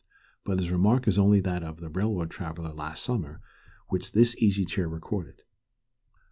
But his remark is only that of the railroad traveller last summer which this Easy Chair recorded.